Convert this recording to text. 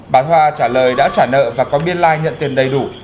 bà hoa trả lời đã trả nợ và có biên lai nhận tiền đầy đủ